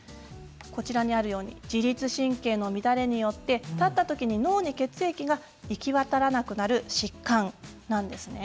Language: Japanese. こちらにあるように自律神経の乱れによって立った時に脳に血液が行き渡らなくなる疾患なんですね。